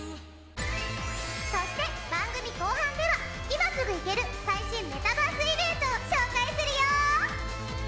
そして、番組後半では今すぐ行ける最新メタバースイベントを紹介するよ！